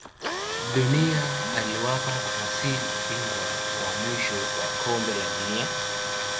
dunia aliwapa brazil ubingwa wa mwisho wa kombe la dunia